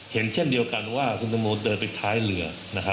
เห็นเช่นเดียวกันว่าคุณตังโมเดินไปท้ายเรือ